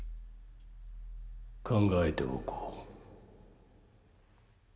・考えておこう。